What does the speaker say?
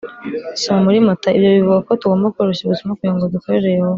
Soma muri Matayo Ibyo bivuga ko tugomba koroshya ubuzima kugira ngo dukorere Yehova